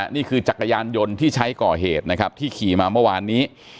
จักรยานยนต์ที่ใช้ก่อเหตุนะครับที่ขี่มาเมื่อวานนี้